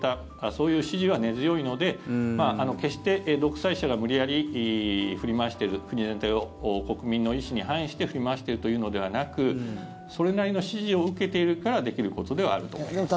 そういう支持は根強いので決して独裁者が無理やり振り回している国の行方を国民の意思に反して振り回しているというのではなくそれなりの支持を受けているからできることではあると思います。